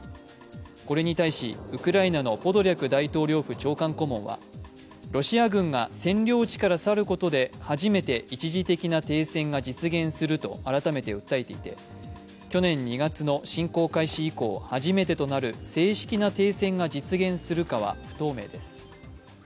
これに対し、ウクライナのポドリャク大統領府長官顧問はロシア軍が占領地から去ることで初めて一時的な停戦が実現すると改めて訴えていて去年２月の侵攻開始以降初めてとなる正式な停戦が実現するかは不透明です。